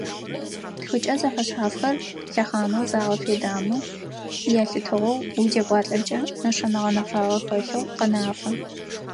Тхыкӏэ зэфэшъхьафхэр лъэхъанэу загъэфедагъэмэ ялъытыгъэу узекӏуалӏэкӏэ, нэшэнэ гъэнэфагъэ хэлъэу къэнафэ.